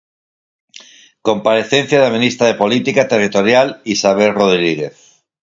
Comparecencia da ministra de Política Territorial, Isabel Rodríguez.